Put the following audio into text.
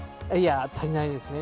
足りないですね。